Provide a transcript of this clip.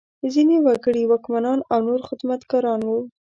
ځینې وګړي واکمنان او نور خدمتګاران وو.